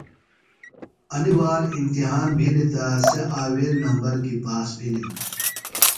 انیۡ وار امتحان بِھلیۡ تہ سےۡ آویل نمبر کیۡ پاس بِھلِم۔